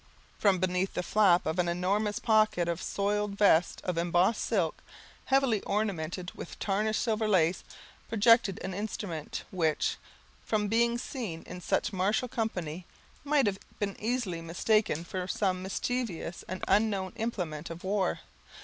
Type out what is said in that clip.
From beneath the flap of an enormous pocket of a soiled vest of embossed silk, heavily ornamented with tarnished silver lace, projected an instrument, which, from being seen in such martial company, might have been easily mistaken for some mischievous and unknown implement of war.